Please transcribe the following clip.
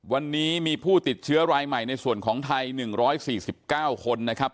วันนี้มีผู้ติดเชื้อรายใหม่ในส่วนของไทยหนึ่งร้อยสี่สิบเก้าคนนะครับ